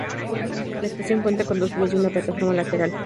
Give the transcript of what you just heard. La estación cuenta con dos vías y una plataforma lateral.